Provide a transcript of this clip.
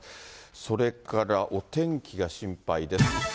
それからお天気が心配です。